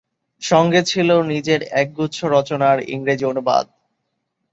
সংগে ছিল নিজের একগুচ্ছ রচনার ইংরেজি অনুবাদ।